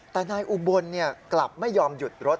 แต่นายอุบลกลับไม่ยอมหยุดรถ